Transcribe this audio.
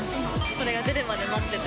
それが出るまで待ってて。